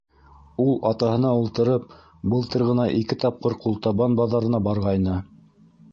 Ул, атаһына ултырып, былтыр ғына ике тапҡыр Ҡултабан баҙарына барғайны.